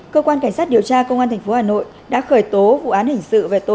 cơ quan cảnh sát điều tra công an thành phố hà nội đã khởi tố vụ án hình sự